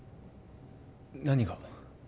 何が？